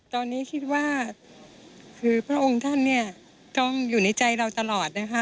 ตอนนี้คิดว่าคือพระองค์ท่านเนี่ยต้องอยู่ในใจเราตลอดนะคะ